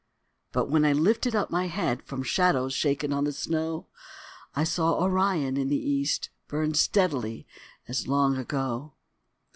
But when I lifted up my head From shadows shaken on the snow, I saw Orion in the east Burn steadily as long ago.